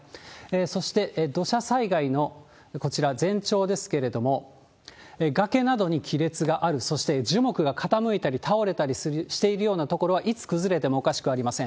そして土砂災害の、こちら、前兆ですけれども、崖などに亀裂がある、そして樹木が傾いたり倒れたりしているような所は、いつ崩れてもおかしくありません。